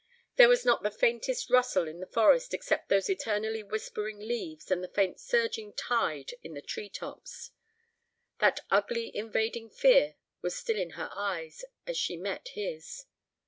There was not the faintest rustle in the forest except those eternally whispering leaves and the faint surging tide in the tree tops. That ugly invading fear was still in her eyes as she met his.